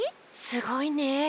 すごいね。